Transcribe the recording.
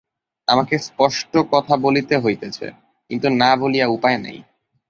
আমাকে স্পষ্ট কথা বলিতে হইতেছে, কিন্তু না বলিয়া উপায় নাই।